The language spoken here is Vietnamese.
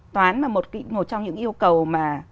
toán mà một trong những yêu cầu mà